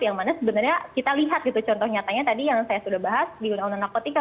yang mana sebenarnya kita lihat gitu contoh nyatanya tadi yang saya sudah bahas di undang undang narkotika